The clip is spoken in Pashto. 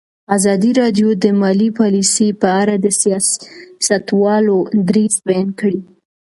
ازادي راډیو د مالي پالیسي په اړه د سیاستوالو دریځ بیان کړی.